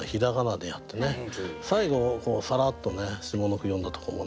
最後さらっとね下の句詠んだとこもね